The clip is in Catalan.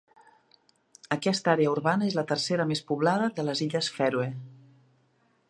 Aquesta àrea urbana és la tercera més poblada de les Illes Fèroe.